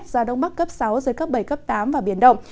gió đông bắc cấp sáu giới cấp bảy cấp tám và biển động